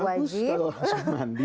ya bagus kalau langsung mandi